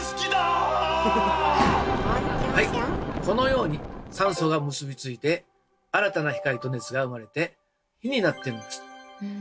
このように酸素が結びついて新たな光と熱が生まれて火になってるんです。